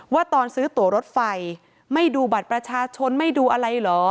ว่าตอนซื้อตัวรถไฟไม่ดูบัตรประชาชนไม่ดูอะไรเหรอ